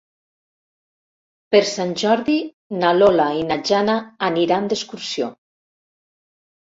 Per Sant Jordi na Lola i na Jana aniran d'excursió.